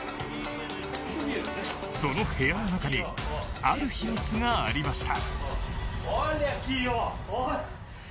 その部屋の中にある秘密がありました。